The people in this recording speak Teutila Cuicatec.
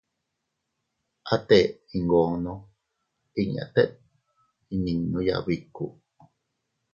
Atee iyngoono inña tete iyninuya biku.